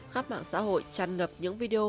khắp mạng xã hội tràn ngập những video